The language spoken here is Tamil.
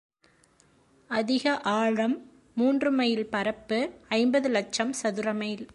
அதிக ஆழம் மூன்று மைல் பரப்பு ஐம்பது இலட்சம் சதுர மைல்.